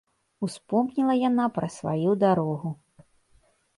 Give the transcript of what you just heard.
Успомніла яна пра сваю дарогу.